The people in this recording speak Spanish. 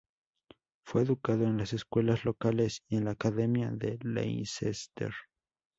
Fue educado en las escuelas locales y en la academia de Leicester.